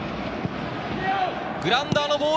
グラウンダーのボール！